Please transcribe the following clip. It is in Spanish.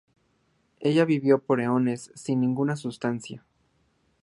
Ella vivió por eones sin ninguna sustancia.